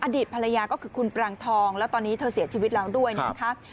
อดีตภรรยาก็คือคุณปรางทองแล้วตอนนี้เธอเสียชีวิตแล้วด้วยนะคะ